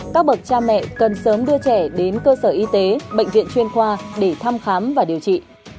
các bậc cha mẹ cần sớm đưa trẻ đến cơ sở y tế bệnh viện chuyên khoa để thăm khám và điều trị